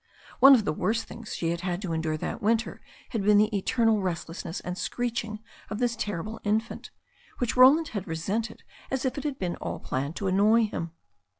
One of the worst things she had had to endure that winter had been the eternal restlessness and screeching of this terrible in fant, which Roland had resented as if it had been all planned to annoy him.